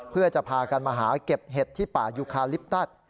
เพื่อจะพากันมาหาเก็บเห็ดที่ป่ายุคาลิปตัส